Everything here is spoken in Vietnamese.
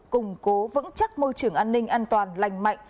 củng cố vững chắc môi trường an ninh an toàn lành mạnh